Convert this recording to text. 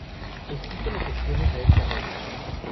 Existen excepciones a esta regla.